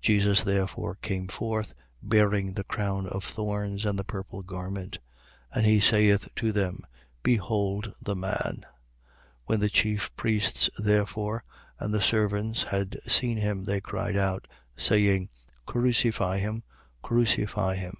(Jesus therefore came forth, bearing the crown of thorns and the purple garment.) And he saith to them: Behold the Man. 19:6. When the chief priests, therefore, and the servants had seen him, they cried out, saying: Crucify him, Crucify him.